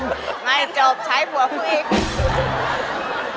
ไม่จบใช้ผมทั่วคู่อีก